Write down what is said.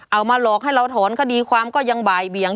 เอามาหลอกให้เราถอนคดีความก็ยังบ่ายเบี่ยง